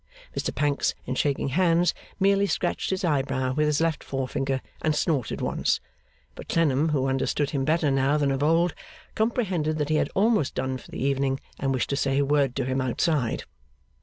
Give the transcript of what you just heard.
Mr Pancks in shaking hands merely scratched his eyebrow with his left forefinger and snorted once, but Clennam, who understood him better now than of old, comprehended that he had almost done for the evening and wished to say a word to him outside.